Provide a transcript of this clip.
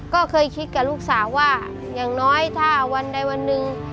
ก็เคยคิดกับลูกสาวว่าอย่างน้อยถ้าวันใดวันหนึ่ง